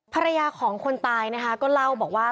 ภรรยาของคนตายนะคะก็เล่าบอกว่า